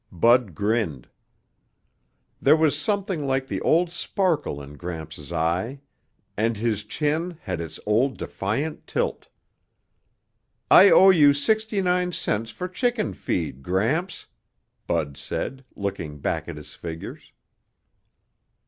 Bud grinned. There was something like the old sparkle in Gramps' eye and his chin had its old defiant tilt. "I owe you sixty nine cents for chicken feed, Gramps," Bud said, looking back at his figures.